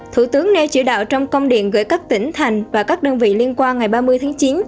thủ tướng nghe chỉ đạo trong công điện gửi các tỉnh thành và các đơn vị liên quan ngày ba mươi tháng chín